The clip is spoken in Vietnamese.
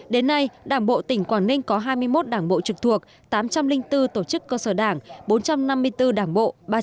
đến nay đảng bộ tỉnh quảng ninh có hai mươi một đảng bộ trực thuộc tám trăm linh bốn tổ chức cơ sở đảng bốn trăm năm mươi bốn đảng bộ